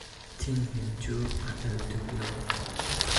Thing hniing cu a alh duh lo.